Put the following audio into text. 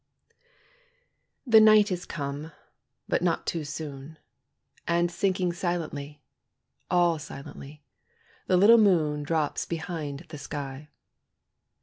The night is come, but not too soon; And sinking silently, All silently, the little moon Drops down behind the sky.